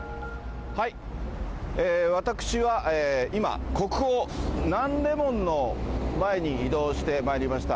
私は今、国宝、ナンデムンの前に移動してまいりました。